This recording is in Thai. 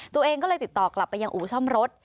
ตัวเองก็เลยติดต่อกลับไปยังอู่ซ่อมรถ